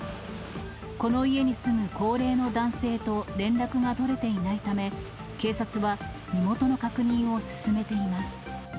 この家に住む高齢の男性と連絡が取れていないため、警察は身元の確認を進めています。